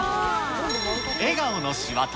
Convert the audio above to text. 笑顔のしわと、